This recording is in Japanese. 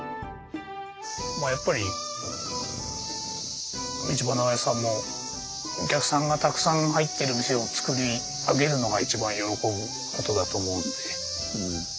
まあやっぱり道場のおやじさんもお客さんがたくさん入ってる店を作り上げるのが一番喜ぶことだと思うんで。